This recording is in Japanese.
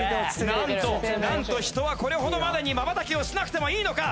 なんとなんと人はこれほどまでにまばたきをしなくてもいいのか！？